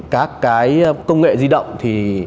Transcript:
các cái công nghệ di động thì